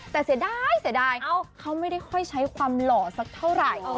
แต่เสียดายเสียดายเขาไม่ได้ค่อยใช้ความหล่อสักเท่าไหร่